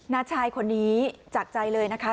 น้าชายคนนี้จากใจเลยนะคะ